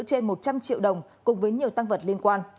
trên một trăm linh triệu đồng cùng với nhiều tăng vật liên quan